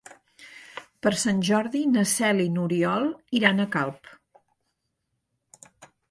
Per Sant Jordi na Cel i n'Oriol iran a Calp.